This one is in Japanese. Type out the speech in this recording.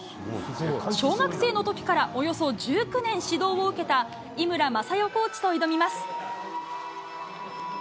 小学生のときからおよそ１９年指導を受けた井村雅代コーチと挑みます。